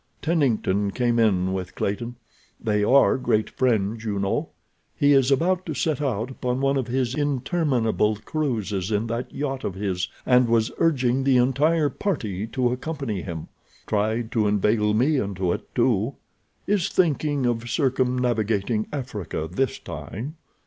Tennington came in with Clayton. They are great friends, you know. He is about to set out upon one of his interminable cruises in that yacht of his, and was urging the entire party to accompany him. Tried to inveigle me into it, too. Is thinking of circumnavigating Africa this time.